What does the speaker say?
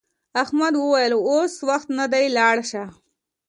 احمد وویل اوس وخت نه دی لاړ شه.